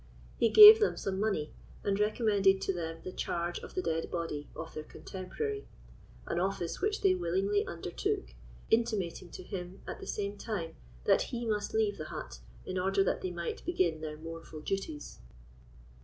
He gave them some money, and recommended to them the charge of the dead body of their contemporary, an office which they willingly undertook; intimating to him at the same time that he must leave the hut, in order that they might begin their mournful duties.